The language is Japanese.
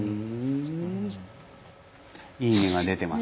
「いいね」が出てます